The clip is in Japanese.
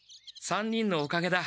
３人のおかげだ。